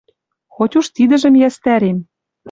— Хоть уж тидӹжӹм йӓстӓрем.